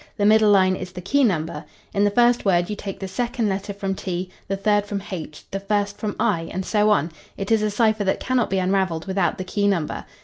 "The middle line is the key number. In the first word you take the second letter from T, the third from H, the first from I, and so on. It is a cipher that cannot be unravelled without the key number.